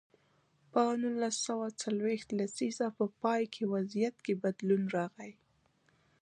په نولس سوه څلویښت لسیزې په پای کې وضعیت کې بدلون راغی.